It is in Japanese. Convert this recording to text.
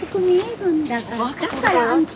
分かった。